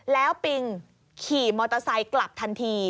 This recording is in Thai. แล้วปิงขี่มอเตอร์ไซค์กลับทันที